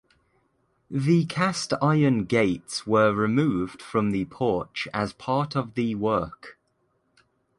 The cast iron gates were removed from the porch as part of the work.